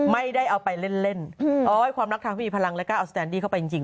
มีกัลไปตั้งที่บ้านแล้วใช่ไปตั้งที่บ้านจริง